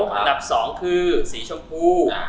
อันดับ๒คือสีชมพู